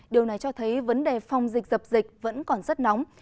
điều này cho thấy vấn đề phòng dịch dập dịch vẫn còn rất nóng